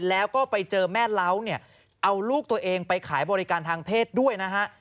แล้วก็ไปเจอแม่เล้าเนี่ยเอาลูกตัวเองไปขายบริการทางเพศด้วยนะฮะ